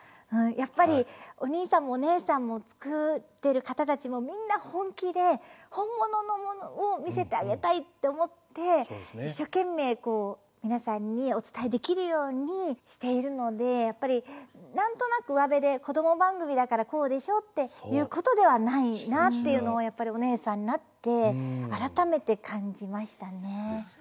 やっぱりお兄さんもお姉さんも作ってる方たちもみんな本気で本物のものを見せてあげたいって思って一生懸命皆さんにお伝えできるようにしているのでやっぱり何となくうわべでこども番組だからこうでしょっていうことではないなっていうのをやっぱりお姉さんになって改めて感じましたね。